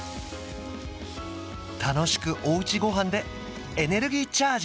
楽しくおうちごはんでエネルギーチャージ！